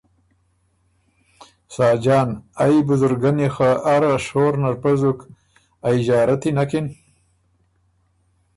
ساجان ـــ ائ بزرګنی خه اره شور نر پزُک ائ ݫارتی نکِن؟